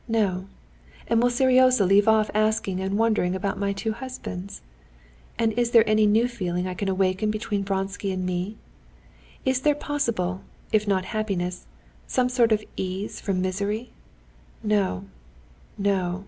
No. And will Seryozha leave off asking and wondering about my two husbands? And is there any new feeling I can awaken between Vronsky and me? Is there possible, if not happiness, some sort of ease from misery? No, no!"